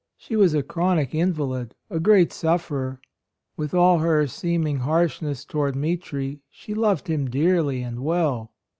She was a chronic invalid, a great sufferer. With all her seeming harshness toward Mitri, she loved him dearly and well.